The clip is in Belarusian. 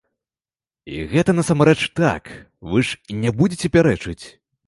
І гэта насамрэч так, вы ж н е будзеце пярэчыць.